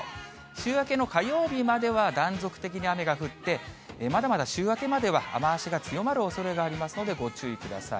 週明けの火曜日までは断続的に雨が降って、まだまだ週明けまでは雨足が強まるおそれがありますのでご注意ください。